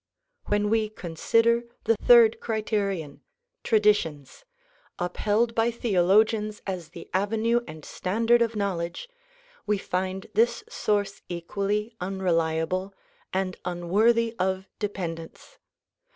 When we consider the third criterion — traditions — upheld by theologians as the avenue and standard of knowledge, we find this source equally unreliable and unworthy of dependence.